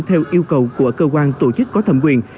theo yêu cầu của cơ quan tổ chức có thẩm quyền